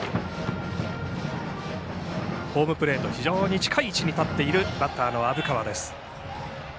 ホームプレートの近い位置に立っているバッターの虻川。